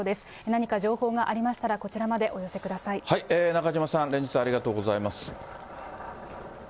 何か情報がありましたら、こちら中島さん、連日ありがとうございます。